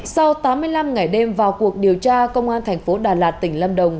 sau tám mươi năm ngày đêm vào cuộc điều tra công an thành phố đà lạt tỉnh lâm đồng